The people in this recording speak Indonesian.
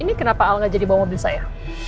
ini kenapa al gak jadi bawa mobil saya